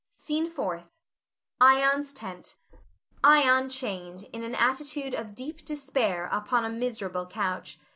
SCENE FOURTH. [Ion's tent. Ion _chained, in an attitude of deep despair, upon a miserable couch.